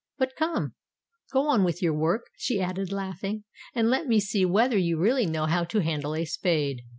"But, come—go on with your work," she added, laughing; "and let me see whether you really know how to handle a spade."